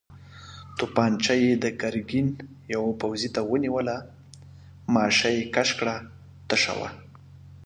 توپانجه يې د ګرګين يوه پوځي ته ونيوله، ماشه يې کش کړه، تشه وه.